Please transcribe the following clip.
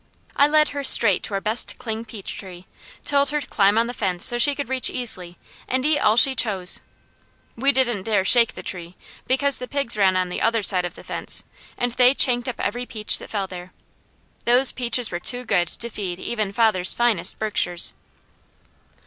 I led her straight to our best cling peach tree, told her to climb on the fence so she could reach easily, and eat all she chose. We didn't dare shake the tree, because the pigs ran on the other side of the fence, and they chanked up every peach that fell there. Those peaches were too good to feed even father's finest Berkshires.